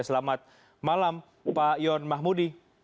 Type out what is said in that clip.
selamat malam pak yon mahmudi